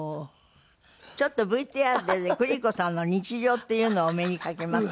ちょっとＶＴＲでね久里子さんの日常っていうのをお目にかけます。